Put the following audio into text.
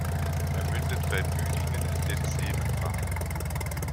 Er mündet bei Büdingen in den "Seemenbach".